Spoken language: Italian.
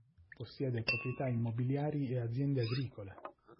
Possiede proprietà immobiliari e aziende agricole.